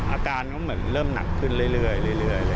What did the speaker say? อาการก็เหมือนเริ่มหนักขึ้นเรื่อย